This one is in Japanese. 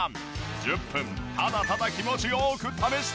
１０分ただただ気持ち良く試した結果は。